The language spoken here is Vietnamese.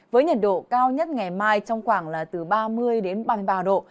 với nhiệt độ cao nhất ngày mai trong khoảng là từ ba mươi đến ba mươi ba độ